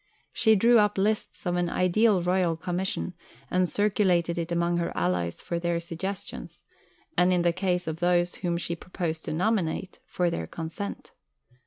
She drew up lists of an ideal Royal Commission, and circulated it among her allies for their suggestions, and, in the case of those whom she proposed to nominate, for their consent.